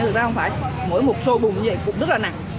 nhưng mà không phải mỗi một xô bùng như vậy cũng rất là nặng